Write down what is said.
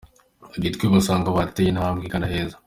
I Gitwe basanga barateye intambwe igana heza